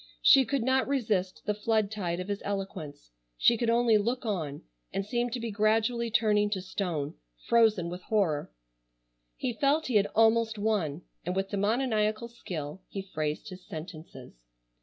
She could not resist the flood tide of his eloquence. She could only look on and seem to be gradually turning to stone—frozen with horror. He felt he had almost won, and with demoniacal skill he phrased his sentences.